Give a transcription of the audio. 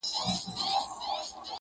چي دي و وینم د تورو سترګو جنګ کي,